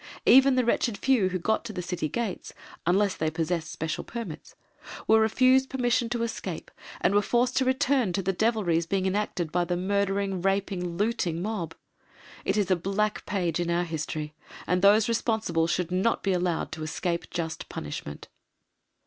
Even the wretched few who got to the City gates, unless they possessed special permits, were refused permission to escape and were forced to return to the devilries being enacted by the murdering, raping, looting mob. It is a black page in our history, and those responsible should not be allowed to escape just punishment.